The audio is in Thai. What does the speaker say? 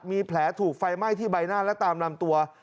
มีแผลถูกไฟไหม้ที่ใบหน้าและตามลำตัว